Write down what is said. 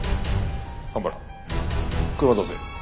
蒲原車を出せ。